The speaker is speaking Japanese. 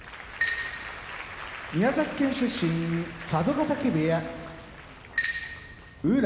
宮崎県出身佐渡ヶ嶽部屋宇良